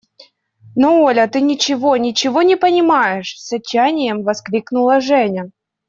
– Но, Оля, ты ничего, ничего не понимаешь! – с отчаянием воскликнула Женя.